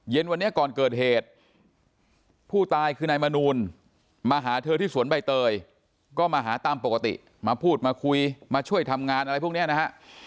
เย็นวันนี้ก่อนเกิดเหตุผู้ตายคือนายมนูลมาหาเธอที่สวนใบเตยก็มาหาตามปกติมาพูดมาคุยมาช่วยทำงานอะไรพวกนี้นะฮะ